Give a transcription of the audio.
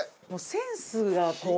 センスがこう。